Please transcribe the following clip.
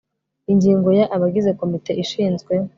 ingingo ya abagize komite ishinzwe